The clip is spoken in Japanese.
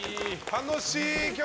楽しい曲！